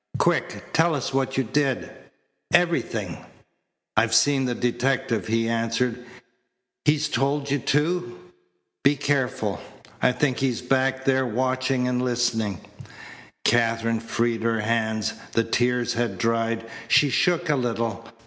Quick! Tell us what you did everything." "I've seen the detective," he answered. "He's told you, too? Be careful. I think he's back there, watching and listening." Katherine freed her hands. The tears had dried. She shook a little.